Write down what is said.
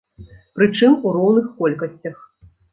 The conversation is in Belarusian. Прычым у роўных колькасцях.